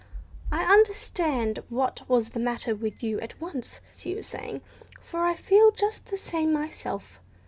"I understood what was the matter with you at once," she was saying, "for I feel just the same myself.